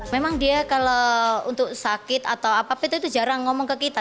memang dia kalau untuk sakit atau apapun itu jarang ngomong ke kita